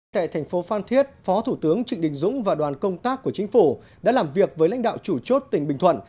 tại thành phố phan thiết phó thủ tướng trịnh đình dũng và đoàn công tác của chính phủ đã làm việc với lãnh đạo chủ chốt tỉnh bình thuận